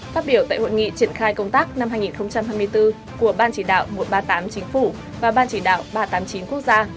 phát biểu tại hội nghị triển khai công tác năm hai nghìn hai mươi bốn của ban chỉ đạo một trăm ba mươi tám chính phủ và ban chỉ đạo ba trăm tám mươi chín quốc gia